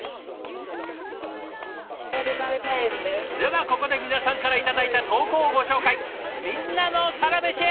ではここで皆さんから頂いた投稿をご紹介！